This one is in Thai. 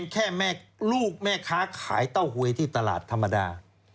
ทุกแม่ค้าขายเต้าเฮวยที่ตลาดธรรมดา